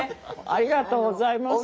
ありがとうございます。